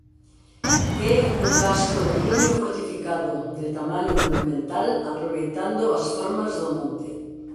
É un casto de cumio fortificado de tamaño monumental aproveitando as formas do monte.